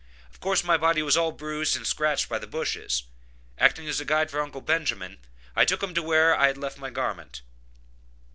Of course my body was all bruised and scratched by the bushes. Acting as a guide for Uncle Benjamin, I took him to where I had left my garment.